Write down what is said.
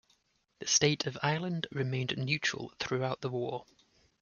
The state of Ireland remained neutral throughout the war.